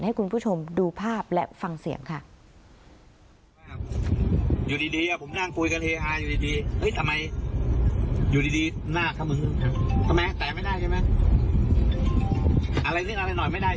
ให้คุณผู้ชมดูภาพและฟังเสียงค่ะ